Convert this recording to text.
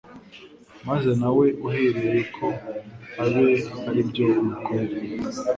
maze nawe uhereko abe aribyo umukorera.